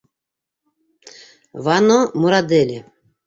Вано Мурадели...